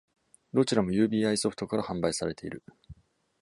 どちらもユービーアイソフトから販売されている。